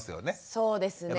そうですね。